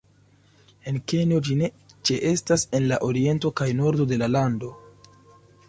En Kenjo ĝi ne ĉeestas en la oriento kaj nordo de la lando.